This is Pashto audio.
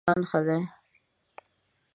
ما ته مې خپل افغانستان ښه دی